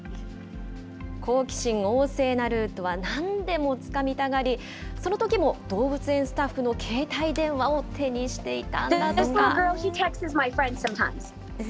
好奇心旺盛なルートはなんでもつかみたがり、そのときも動物園スタッフの携帯電話を手にしていたんだとか。